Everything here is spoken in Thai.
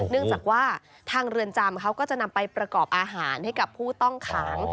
เนื่องจากว่าทางเรือนจำเขาก็จะนำไปประกอบอาหารให้กับผู้ต้องขัง